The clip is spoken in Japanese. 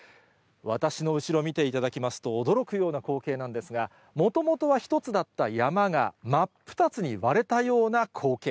私の後ろ見ていただきますと、驚くような光景なんですが、もともとは１つだった山が真っ二つに割れたような光景。